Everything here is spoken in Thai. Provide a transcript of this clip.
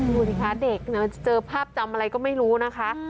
ดูสิคะเด็กเดี๋ยวมันจะเจอภาพจำอะไรก็ไม่รู้นะคะ